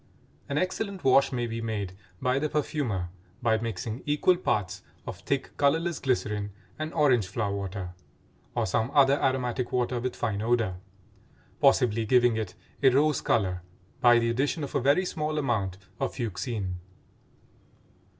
An excellent wash may be made by the perfumer by mixing equal parts of thick, colorless glycerin and orange flower water (or some other aromatic water with fine odor), possibly giving it a rose color by the addition of a very small amount of fuchsine.